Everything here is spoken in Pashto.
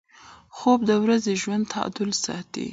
خوب د ورځني ژوند تعادل ساتي